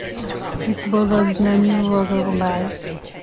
It borders the Newark Bay.